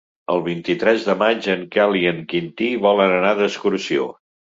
El vint-i-tres de maig en Quel i en Quintí volen anar d'excursió.